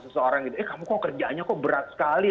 seseorang gitu eh kamu kok kerjaannya kok berat sekali